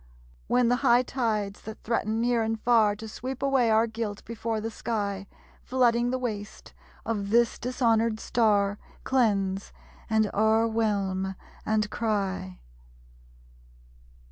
When the high tides that threaten near and far To sweep away our guilt before the sky, Flooding the waste of this dishonored Star, Cleanse, and o'erwhelm, and cry!